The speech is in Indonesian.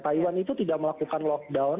taiwan itu tidak melakukan lockdown